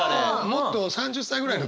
もっと３０歳ぐらいの時。